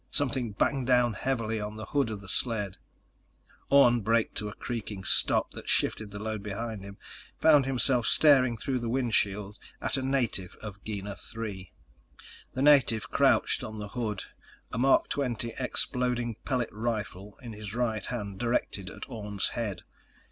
Something banged down heavily onto the hood of the sled. Orne braked to a creaking stop that shifted the load behind him, found himself staring through the windshield at a native of Gienah III. The native crouched on the hood, a Mark XX exploding pellet rifle in his right hand directed at Orne's head.